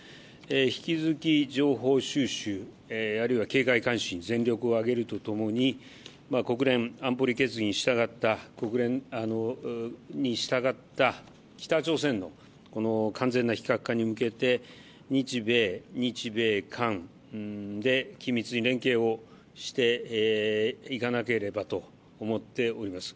引き続き情報収集、あるいは警戒監視に全力を挙げるとともに国連安保理決議に従った北朝鮮の完全なる非核化に向けて日米、日米韓で緊密に連携をしていかなければならないと思っております。